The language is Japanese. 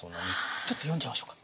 ちょっと読んじゃいましょうか。